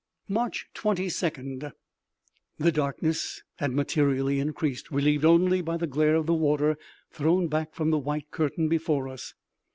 March 22d. The darkness had materially increased, relieved only by the glare of the water thrown back from the white curtain before us.